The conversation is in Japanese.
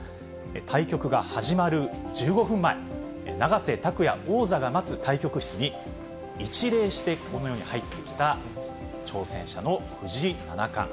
対局が始まる１５分前、永瀬拓矢王座が待つ対局室に、一礼してこのように入ってきた挑戦者の藤井七冠。